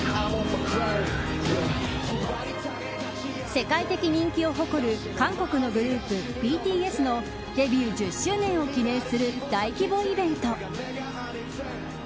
世界的人気を誇る韓国のグループＢＴＳのデビュー１０周年を記念する大規模イベント。